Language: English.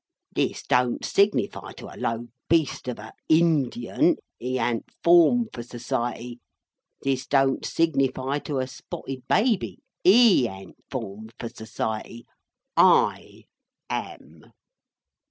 This don't signify to a low beast of a Indian; he an't formed for Society. This don't signify to a Spotted Baby; he an't formed for Society.—I am."